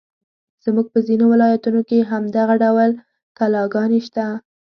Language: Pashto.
زموږ په ځینو ولایتونو کې هم دغه ډول کلاګانې شته.